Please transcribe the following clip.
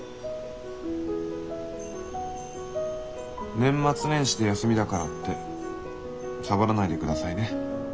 年末年始で休みだからってサボらないでくださいね。